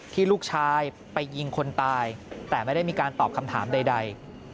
ที่ลูกชายไปยิงคนตายแต่ไม่ได้มีการตอบคำถามใด